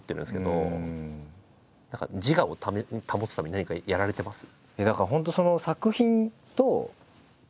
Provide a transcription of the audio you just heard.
何か自我を保つために何かやられてます？